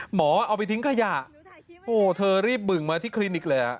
หมอเอาไปทิ้งขยะเขารีบเบิ่งมาที่คลินิกเลย